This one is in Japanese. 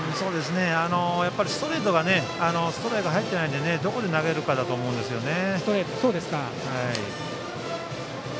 ストレートがストライク入っていないのでどこに投げるかだと思うんですね。